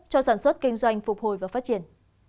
cho sản xuất kinh doanh phục hồi và phát triển